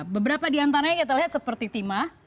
beberapa diantaranya kita lihat seperti timah